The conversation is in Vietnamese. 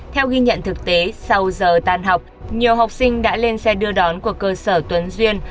theo ghi nhận thực tế sau giờ tan học nhiều học sinh đã lên xe đưa đón của cơ sở tuấn duyên